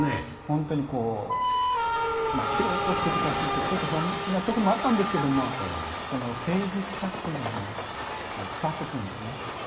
ほんとにこう「素人」ということは聞いてちょっと不安なところもあったんですけどもその誠実さというのが伝わってくるんですね。